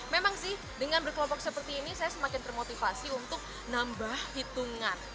memang sih dengan berkelompok seperti ini saya semakin termotivasi untuk nambah hitungan